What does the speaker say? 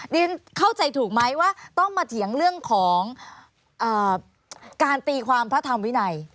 เรียนเข้าใจถูกไหมว่าต้องมาเถียงเรื่องของการตีความพระธรรมวินัย